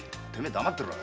黙ってろ。